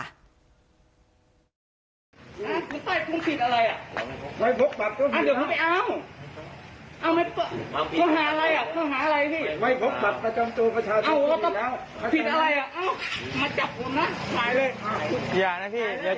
อ่ามาดูอ่าชับเลยผมมีนี่แหละ